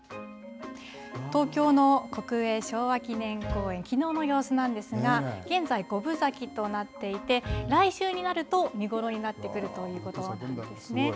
東京の国営昭和記念公園、きのうの様子なんですが、現在５分咲きとなっていて、来週になると見頃になってくるということなんですね。